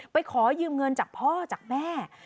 ขอยืมเงินจากพ่อจากแม่